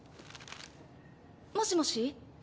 もしもし？